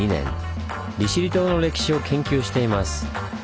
利尻島の歴史を研究しています。